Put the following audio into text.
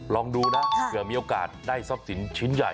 อ๋อลองดูนะเกื่อไม่โอกาสจะได้ซับสินชิ้นใหญ่